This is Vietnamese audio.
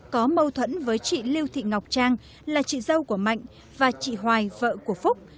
có mâu thuẫn với chị lưu thị ngọc trang là chị dâu của mạnh và chị hoài vợ của phúc